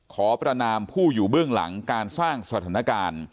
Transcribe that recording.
ขอประนามผู้อยู่เบื้องหลังการสร้างสถานการณ์